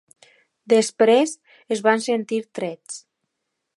Després, es van sentir trets.